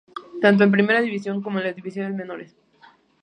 Tanto en primera división, como en las divisiones menores.